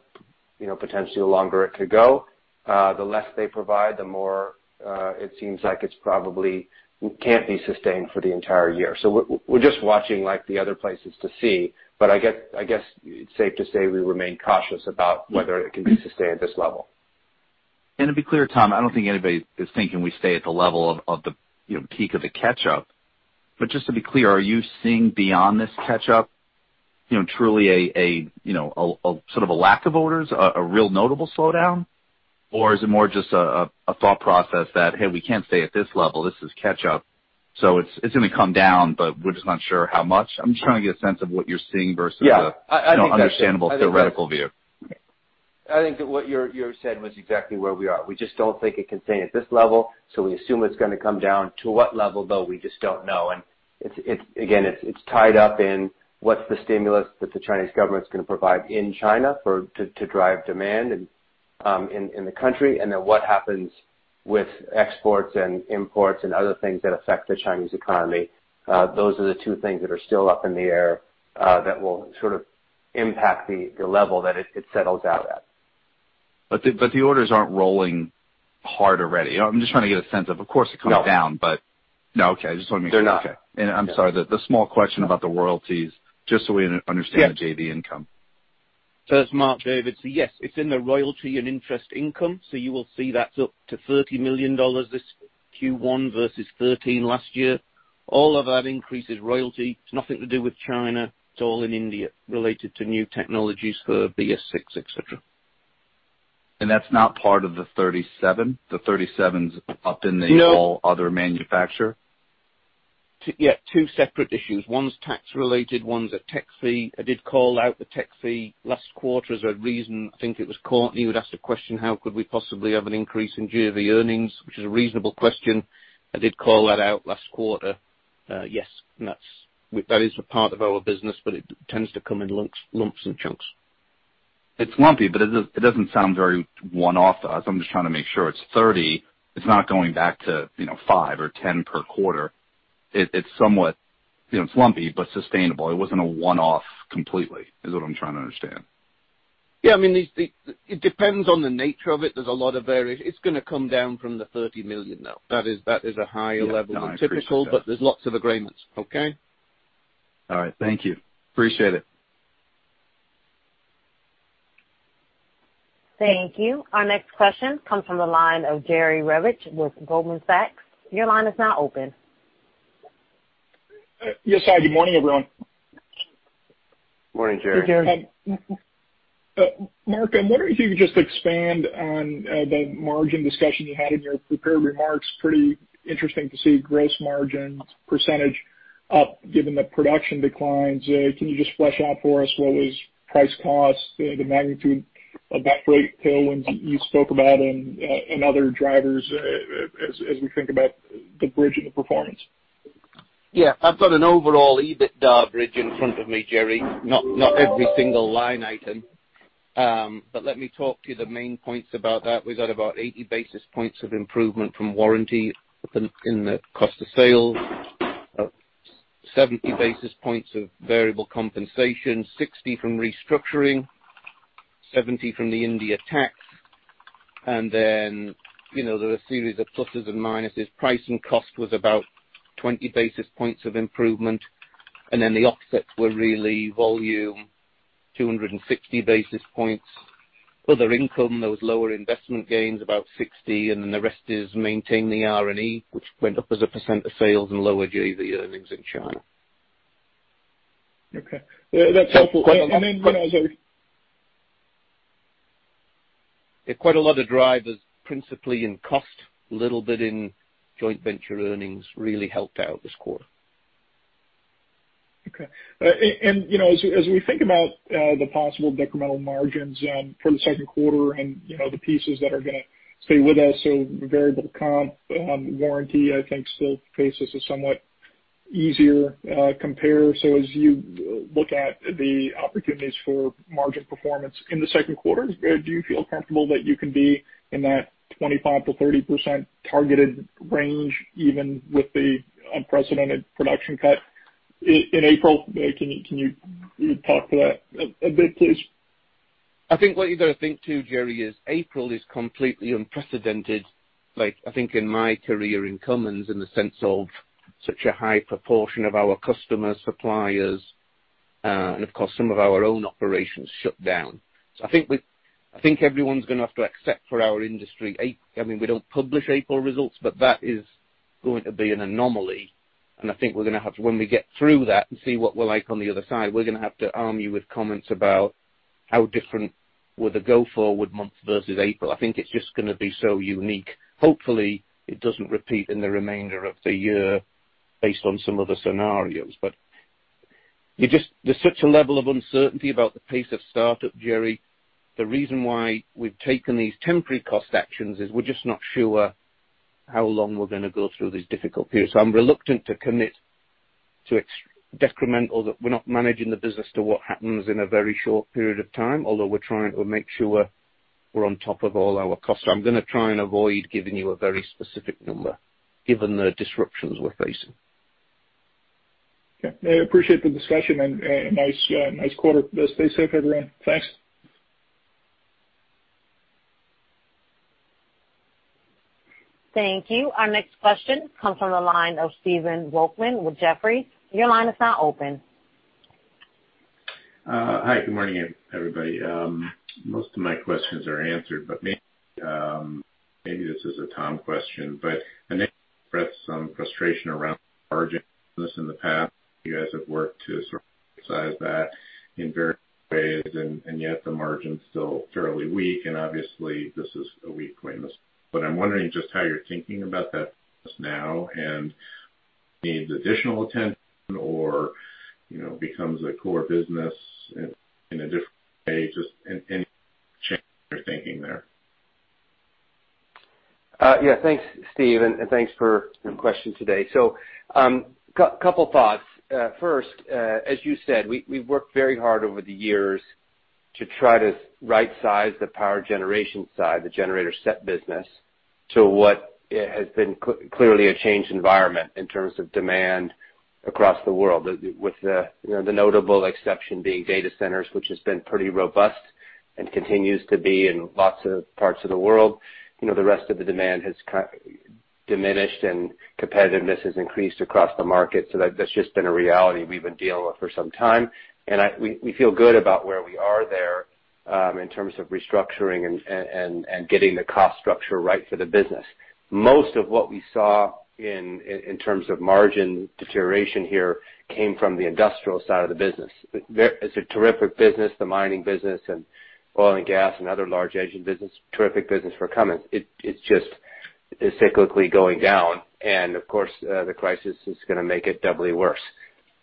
potentially the longer it could go. The less they provide, the more it seems like it probably can't be sustained for the entire year. We're just watching like the other places to see, but I guess it's safe to say we remain cautious about whether it can be sustained at this level. To be clear, Tom, I don't think anybody is thinking we stay at the level of the peak of the catch-up. Just to be clear, are you seeing beyond this catch-up, truly a sort of a lack of orders, a real notable slowdown? Is it more just a thought process that, hey, we can't stay at this level, this is catch-up, so it's going to come down, but we're just not sure how much? I'm just trying to get a sense of what you're seeing versus the- Yeah. ...understandable theoretical view. I think what you said was exactly where we are. We just don't think it can stay at this level, so we assume it's going to come down. To what level, though, we just don't know. Again, it's tied up in what's the stimulus that the Chinese government's going to provide in China to drive demand in the country, and then what happens with exports and imports and other things that affect the Chinese economy. Those are the two things that are still up in the air that will sort of impact the level that it settles out at. The orders aren't rolling hard already. I'm just trying to get a sense of course, it comes down. No. No. Okay. I just wanted to make sure. They're not. Okay. I'm sorry, the small question about the royalties, just so we understand the JV income. This is Mark, David. Yes, it's in the royalty and interest income. You will see that's up to $30 million this Q1 versus $13 million last year. All of that increases royalty. It's nothing to do with China. It's all in India, related to new technologies for BS-VI, et cetera. That's not part of the 37? The 37's up in the. No All other manufacturer? Yeah, two separate issues. One's tax related, one's a tech fee. I did call out the tech fee last quarter as a reason. I think it was Courtney who had asked a question, how could we possibly have an increase in G of E earnings? Which is a reasonable question. I did call that out last quarter. Yes. That is a part of our business, but it tends to come in lumps and chunks. It's lumpy, but it doesn't sound very one-off to us. I'm just trying to make sure it's 30. It's not going back to five or 10 per quarter. It's somewhat lumpy, but sustainable. It wasn't a one-off completely, is what I'm trying to understand. Yeah. It depends on the nature of it. There's a lot of variation. It's going to come down from the $30 million, though. That is a higher level than typical. Yeah, I appreciate that. There's lots of agreements. Okay? All right. Thank you. Appreciate it. Thank you. Our next question comes from the line of Jerry Revich with Goldman Sachs. Your line is now open. Yes. Hi, good morning, everyone. Morning, Jerry. Hey, Jerry. Mark, I'm wondering if you could just expand on the margin discussion you had in your prepared remarks. Pretty interesting to see gross margin percentage up given the production declines. Can you just flesh out for us what was price cost, the magnitude of that freight tailwind you spoke about and other drivers as we think about the bridge and the performance? Yeah. I've got an overall EBITDA bridge in front of me, Jerry, not every single line item. Let me talk to the main points about that. We've got about 80 basis points of improvement from warranty in the cost of sales, 70 basis points of variable compensation, 60 from restructuring, 70 from the India tax. There are a series of pluses and minuses. Price and cost was about 20 basis points of improvement, and then the offsets were really volume, 260 basis points. Other income, those lower investment gains, about 60, and then the rest is maintaining the R&E, which went up as a percent of sales and lower JV earnings in China. Okay. That's helpful. When I was. Yeah, quite a lot of drivers, principally in cost, a little bit in joint venture earnings, really helped out this quarter. Okay. As we think about the possible decremental margins for the second quarter and the pieces that are going to stay with us. Variable comp, warranty, I think still faces a somewhat easier compare. As you look at the opportunities for margin performance in the second quarter, do you feel comfortable that you can be in that 25%-30% targeted range, even with the unprecedented production cut in April? Can you talk to that a bit, please? I think what you got to think too, Jerry, is April is completely unprecedented, I think in my career in Cummins, in the sense of such a high proportion of our customers, suppliers, and of course, some of our own operations shut down. I think everyone's going to have to accept for our industry. We don't publish April results, but that is going to be an anomaly, and I think we're going to have to, when we get through that and see what we're like on the other side, we're going to have to arm you with comments about how different were the go forward months versus April. I think it's just going to be so unique. Hopefully, it doesn't repeat in the remainder of the year based on some of the scenarios. There's such a level of uncertainty about the pace of startup, Jerry. The reason why we've taken these temporary cost actions is we're just not sure how long we're going to go through this difficult period. I'm reluctant to commit to decremental, that we're not managing the business to what happens in a very short period of time. Although we're trying to make sure we're on top of all our costs. I'm going to try and avoid giving you a very specific number given the disruptions we're facing. Okay. I appreciate the discussion, and nice quarter. Stay safe, everyone. Thanks. Thank you. Our next question comes from the line of Stephen Volkmann with Jefferies. Your line is now open. Hi, good morning, everybody. Most of my questions are answered, maybe this is a Tom question, I know you've expressed some frustration around margin business in the past. You guys have worked to sort of size that in various ways, yet the margin's still fairly weak. Obviously, this is a weak point. I'm wondering just how you're thinking about that just now and needs additional attention or becomes a core business in a different way. Just any change in your thinking there? Yeah. Thanks, Stephen, and thanks for the question today. Couple thoughts. First, as you said, we've worked very hard over the years to try to right size the power generation side, the generator set business, to what has been clearly a changed environment in terms of demand across the world. With the notable exception being data centers, which has been pretty robust and continues to be in lots of parts of the world. The rest of the demand has diminished, and competitiveness has increased across the market. That's just been a reality we've been dealing with for some time. We feel good about where we are there, in terms of restructuring and getting the cost structure right for the business. Most of what we saw in terms of margin deterioration here came from the industrial side of the business. It's a terrific business, the mining business, and oil and gas and other large engine business, terrific business for Cummins. It's just cyclically going down. Of course, the crisis is going to make it doubly worse.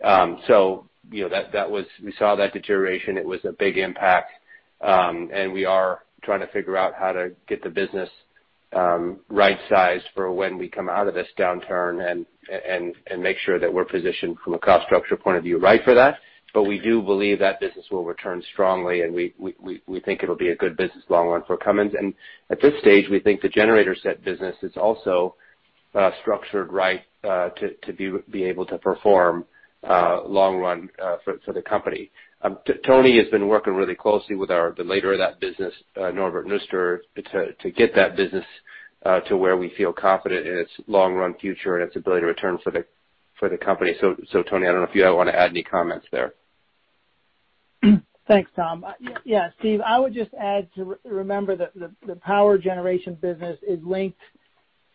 We saw that deterioration. It was a big impact. We are trying to figure out how to get the business right-sized for when we come out of this downturn and make sure that we're positioned from a cost structure point of view right for that. We do believe that business will return strongly, and we think it'll be a good business long run for Cummins. At this stage, we think the generator set business is also structured right to be able to perform long run for the company. Tony has been working really closely with the leader of that business, Norbert Nusterer, to get that business to where we feel confident in its long-run future and its ability to return for the company. Tony, I don't know if you want to add any comments there. Thanks, Tom. Stephen, I would just add to remember that the power generation business is linked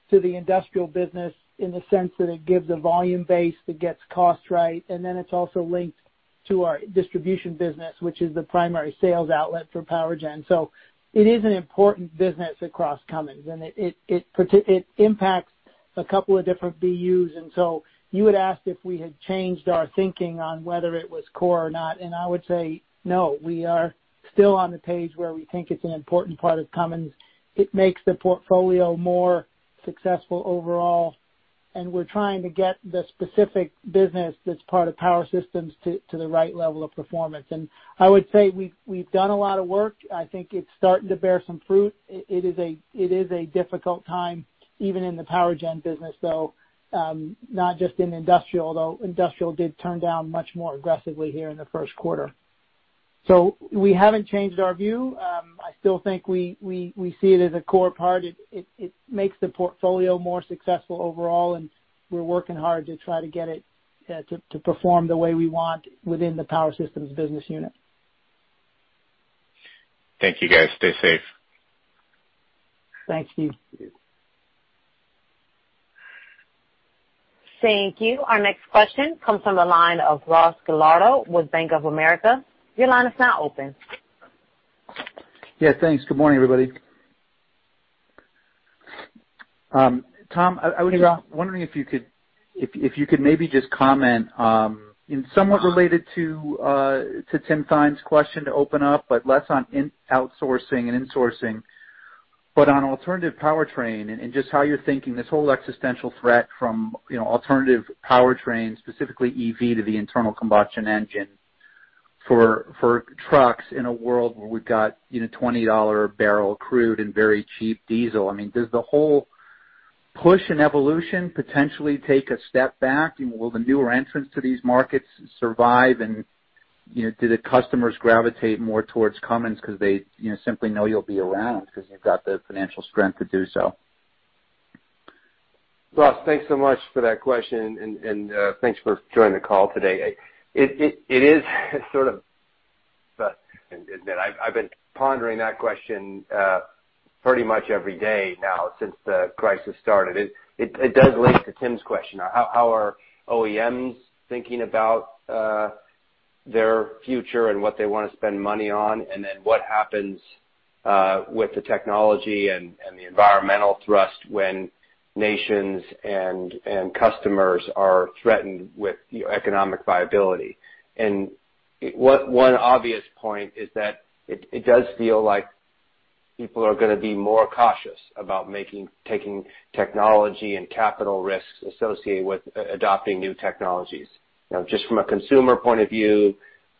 to the industrial business in the sense that it gives a volume base that gets cost right. It's also linked to our distribution business, which is the primary sales outlet for power gen. It is an important business across Cummins, and it impacts a couple of different BUs. You had asked if we had changed our thinking on whether it was core or not, and I would say, no. We are still on the page where we think it's an important part of Cummins. It makes the portfolio more successful overall, and we're trying to get the specific business that's part of Power Systems to the right level of performance. I would say we've done a lot of work. I think it's starting to bear some fruit. It is a difficult time even in the power gen business, though, not just in industrial, although industrial did turn down much more aggressively here in the first quarter. We haven't changed our view. I still think we see it as a core part. It makes the portfolio more successful overall, and we're working hard to try to get it to perform the way we want within the Power Systems business unit. Thank you, guys. Stay safe. Thank you. Thank you. Our next question comes from the line of Ross Gilardi with Bank of America. Your line is now open. Yeah, thanks. Good morning, everybody. Tom, I was wondering if you could maybe just comment, and somewhat related to Tim Thein's question to open up, but less on outsourcing and insourcing, but on alternative powertrain and just how you're thinking this whole existential threat from alternative powertrains, specifically EV to the internal combustion engine for trucks in a world where we've got $20 a barrel crude and very cheap diesel. Does the whole push and evolution potentially take a step back? Will the newer entrants to these markets survive? Do the customers gravitate more towards Cummins because they simply know you'll be around because you've got the financial strength to do so? Ross, thanks so much for that question, and thanks for joining the call today. It is sort of I've been pondering that question pretty much every day now since the crisis started. It does relate to Tim's question. How are OEMs thinking about their future and what they want to spend money on, then what happens with the technology and the environmental thrust when nations and customers are threatened with economic viability. One obvious point is that it does feel like people are going to be more cautious about taking technology and capital risks associated with adopting new technologies. Just from a consumer point of view,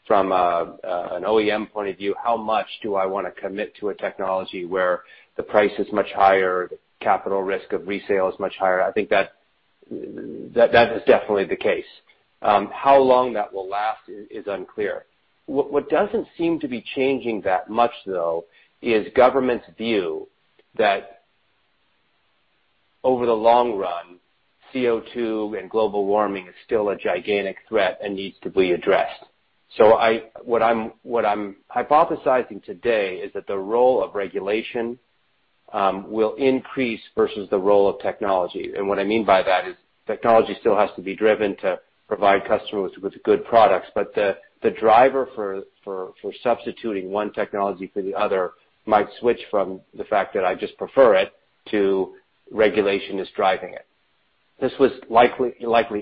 from an OEM point of view, how much do I want to commit to a technology where the price is much higher, the capital risk of resale is much higher? I think that is definitely the case. How long that will last is unclear. What doesn't seem to be changing that much, though, is government's view that over the long run, CO2 and global warming is still a gigantic threat and needs to be addressed. What I'm hypothesizing today is that the role of regulation will increase versus the role of technology. What I mean by that is technology still has to be driven to provide customers with good products. The driver for substituting one technology for the other might switch from the fact that I just prefer it to regulation is driving it. This was likely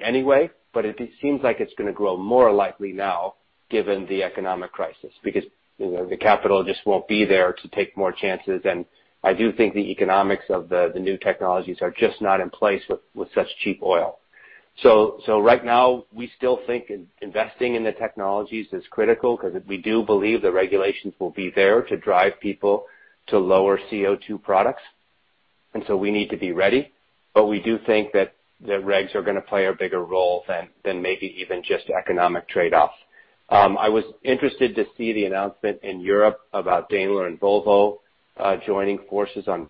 anyway, but it seems like it's going to grow more likely now given the economic crisis, because the capital just won't be there to take more chances. I do think the economics of the new technologies are just not in place with such cheap oil. Right now, we still think investing in the technologies is critical because we do believe the regulations will be there to drive people to lower CO2 products. We need to be ready. We do think that the regs are going to play a bigger role than maybe even just economic trade-offs. I was interested to see the announcement in Europe about Daimler and Volvo joining forces on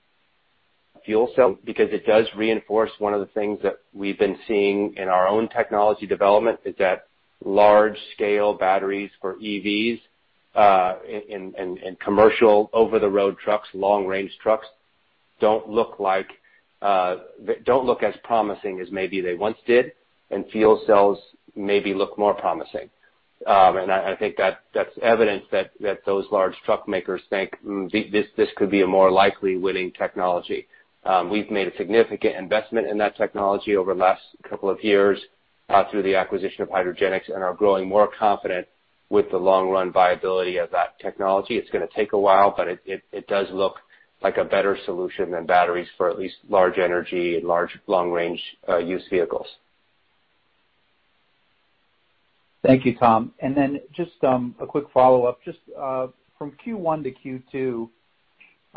fuel cell, because it does reinforce one of the things that we've been seeing in our own technology development is that large-scale batteries for EVs in commercial over-the-road trucks, long-range trucks don't look as promising as maybe they once did, and fuel cells maybe look more promising. I think that's evidence that those large truck makers think this could be a more likely winning technology. We've made a significant investment in that technology over the last couple of years through the acquisition of Hydrogenics and are growing more confident with the long run viability of that technology. It's going to take a while, but it does look like a better solution than batteries for at least large energy, large long-range use vehicles. Thank you, Tom. Just a quick follow-up. Just from Q1 to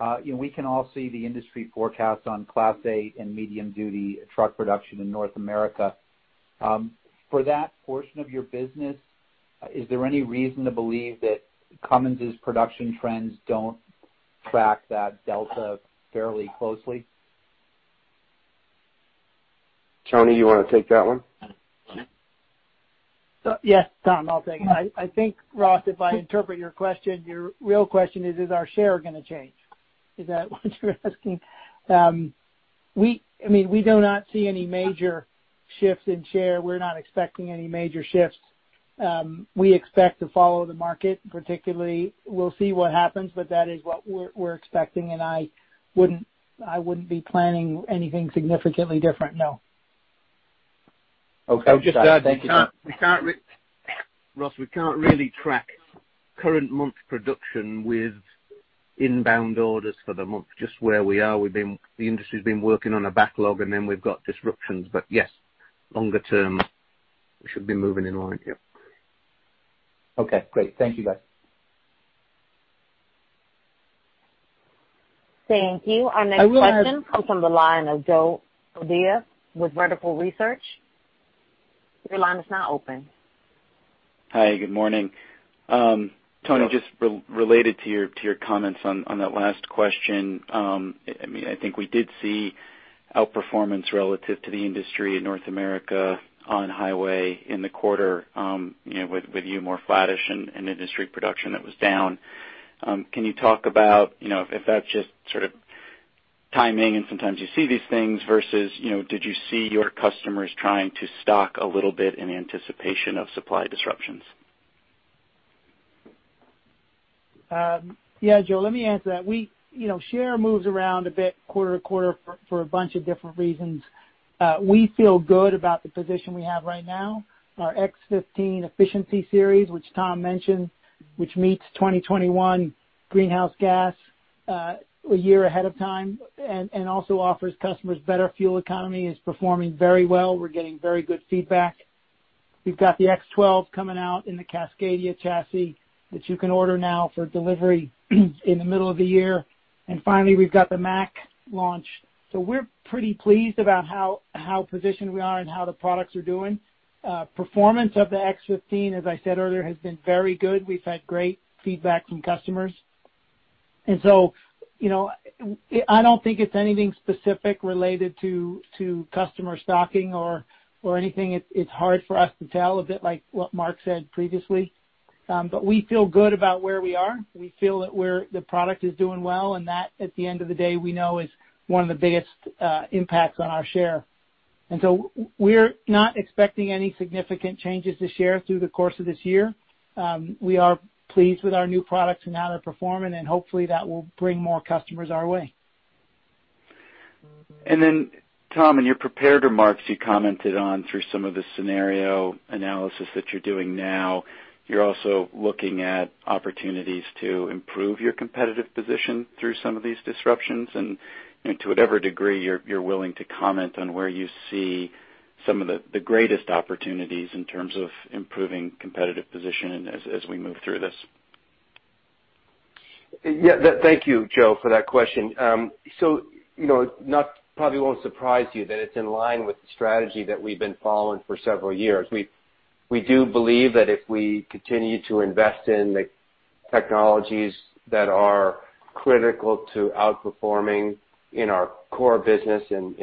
Q2, we can all see the industry forecast on Class 8 and medium-duty truck production in North America. For that portion of your business, is there any reason to believe that Cummins's production trends don't track that delta fairly closely? Tony, you want to take that one? Yes, Tom, I'll take it. I think, Ross, if I interpret your question, your real question is our share going to change? Is that what you're asking? We do not see any major shifts in share. We're not expecting any major shifts. We expect to follow the market, particularly. We'll see what happens, but that is what we're expecting, and I wouldn't be planning anything significantly different, no. Okay. Thank you. Ross, we can't really track current month's production with inbound orders for the month, just where we are. The industry's been working on a backlog and then we've got disruptions. Yes, longer term, we should be moving in line. Yep. Okay, great. Thank you, guys. Thank you. Our next question comes from the line of Joe O'Dea with Vertical Research. Your line is now open. Hi, good morning. Tony, just related to your comments on that last question. I think we did see outperformance relative to the industry in North America on highway in the quarter with you more flattish and industry production that was down. Can you talk about if that's just sort of timing and sometimes you see these things versus did you see your customers trying to stock a little bit in anticipation of supply disruptions? Yeah, Joe, let me answer that. Share moves around a bit quarter to quarter for a bunch of different reasons. We feel good about the position we have right now. Our X15 Efficiency Series, which Tom mentioned, which meets 2021 greenhouse gas a year ahead of time and also offers customers better fuel economy, is performing very well. We're getting very good feedback. We've got the X12 coming out in the Cascadia chassis that you can order now for delivery in the middle of the year. Finally, we've got the Mack launch. We're pretty pleased about how positioned we are and how the products are doing. Performance of the X15, as I said earlier, has been very good. We've had great feedback from customers. I don't think it's anything specific related to customer stocking or anything. It's hard for us to tell, a bit like what Mark said previously. We feel good about where we are. We feel that the product is doing well, and that, at the end of the day, we know is one of the biggest impacts on our share. We're not expecting any significant changes to share through the course of this year. We are pleased with our new products and how they're performing, and hopefully that will bring more customers our way. Tom, in your prepared remarks, you commented on through some of the scenario analysis that you're doing now, you're also looking at opportunities to improve your competitive position through some of these disruptions and to whatever degree you're willing to comment on where you see some of the greatest opportunities in terms of improving competitive position as we move through this? Yeah. Thank you, Joe, for that question. It probably won't surprise you that it's in line with the strategy that we've been following for several years. We do believe that if we continue to invest in the technologies that are critical to outperforming in our core business in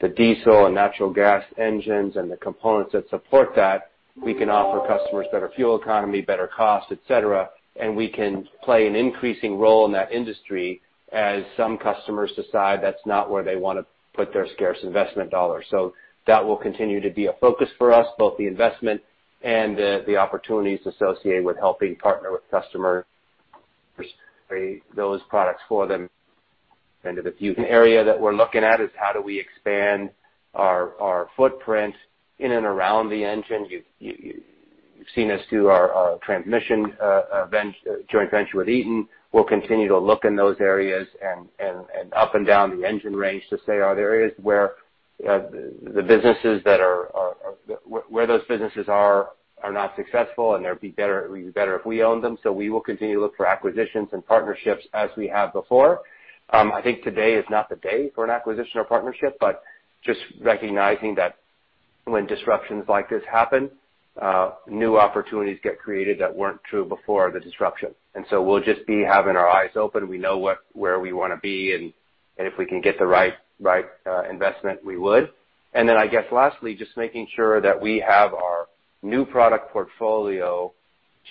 the diesel and natural gas engines and the components that support that, we can offer customers better fuel economy, better cost, et cetera, and we can play an increasing role in that industry as some customers decide that's not where they want to put their scarce investment dollars. That will continue to be a focus for us, both the investment and the opportunities associated with helping partner with customers, those products for them. The area that we're looking at is how do we expand our footprint in and around the engine. You've seen us do our transmission joint venture with Eaton. We'll continue to look in those areas and up and down the engine range to say, are there areas where those businesses are not successful and it would be better if we owned them. We will continue to look for acquisitions and partnerships as we have before. I think today is not the day for an acquisition or partnership, but just recognizing that when disruptions like this happen, new opportunities get created that weren't true before the disruption. We'll just be having our eyes open. We know where we want to be, and if we can get the right investment, we would. I guess lastly, just making sure that we have our new product portfolio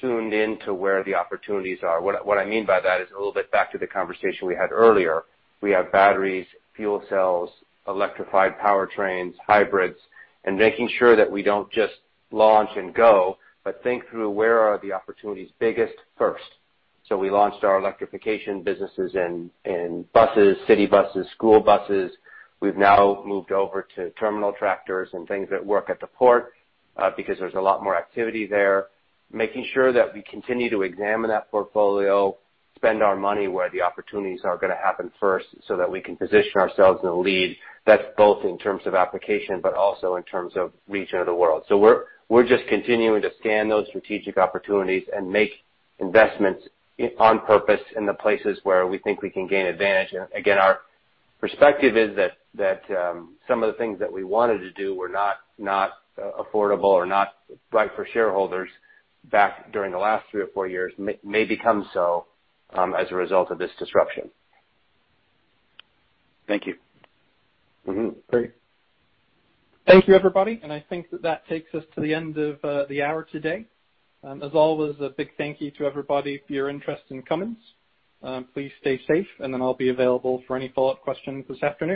tuned in to where the opportunities are. What I mean by that is a little bit back to the conversation we had earlier. We have batteries, fuel cells, electrified powertrains, hybrids, and making sure that we don't just launch and go, but think through where are the opportunities biggest first. We launched our electrification businesses in buses, city buses, school buses. We've now moved over to terminal tractors and things that work at the port because there's a lot more activity there. Making sure that we continue to examine that portfolio, spend our money where the opportunities are going to happen first so that we can position ourselves in a lead. That's both in terms of application, but also in terms of region of the world. We're just continuing to scan those strategic opportunities and make investments on purpose in the places where we think we can gain advantage. Our perspective is that some of the things that we wanted to do were not affordable or not right for shareholders back during the last three or four years may become so as a result of this disruption. Thank you. Mm-hmm. Great. Thank you, everybody. I think that that takes us to the end of the hour today. As always, a big thank you to everybody for your interest in Cummins. Please stay safe, and then I'll be available for any follow-up questions this afternoon.